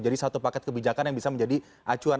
jadi satu paket kebijakan yang bisa menjadi acuan